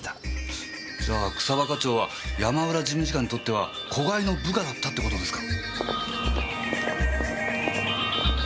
じゃ草葉課長は山浦事務次官にとっては子飼いの部下だったって事ですか？